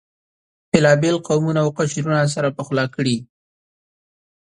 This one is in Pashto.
بېلابېل قومونه او قشرونه سره پخلا کړي.